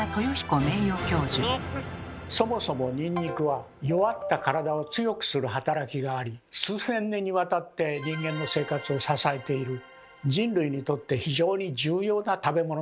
そもそもニンニクは弱った体を強くする働きがあり数千年にわたって人間の生活を支えている人類にとって非常に重要な食べ物なんです。